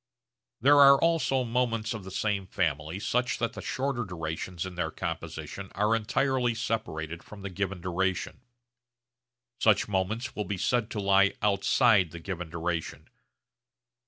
There are also moments of the same family such that the shorter durations in their composition are entirely separated from the given duration. Such moments will be said to lie 'outside' the given duration.